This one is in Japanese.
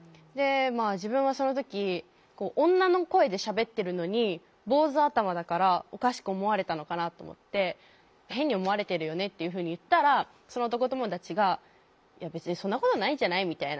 自分はその時女の声でしゃべってるのに坊主頭だからおかしく思われたのかなと思って「変に思われてるよね？」っていうふうに言ったらその男友達が「いや別にそんなことないんじゃない？」みたいな。